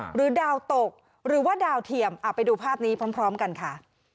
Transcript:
หรือดาวตกหรือว่าดาวเทียมไปดูภาพนี้พร้อมกันค่ะ